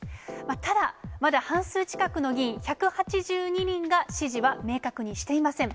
ただ、まだ半数近くの議員、１８２人が支持は明確にしていません。